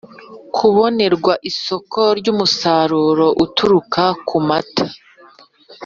kubonerwa isoko ry umusaruro uturuka ku mata